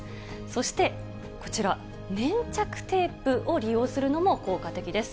そしてこちら、粘着テープを利用するのも効果的です。